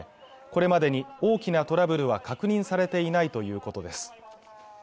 これまでに大きなトラブルは確認されていないということです